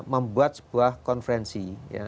membuat sebuah konferensi